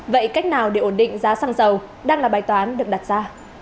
vậy cách nào để ổn định giá xăng dầu đang là bài toán được đặt ra